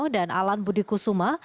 dan alan budi kusuma